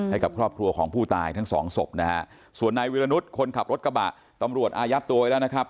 ให้กับครอบครัวของผู้ตายทั้งสองศพนะฮะส่วนนายวิรนุษย์คนขับรถกระบะตำรวจอายัดตัวไว้แล้วนะครับ